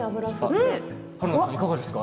いかがですか？